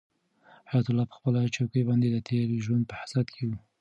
حیات الله په خپله چوکۍ باندې د تېر ژوند په حسرت کې و.